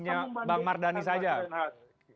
yang membandingkan pak renhat